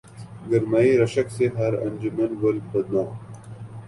گرمئی رشک سے ہر انجمن گل بدناں